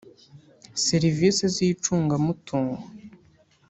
serivisi z’icungamutungo